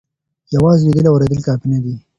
یوازې لیدل او اورېدل کافي نه دي.